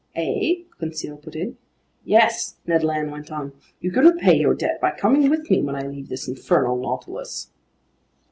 "Eh?" Conseil put in. "Yes," Ned Land went on. "You can repay your debt by coming with me when I leave this infernal Nautilus."